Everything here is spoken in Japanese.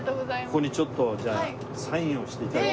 ここにちょっとじゃあサインをして頂いて。